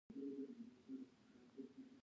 تفضيلي ګټه له متوسطې ګټې څخه زیاته وي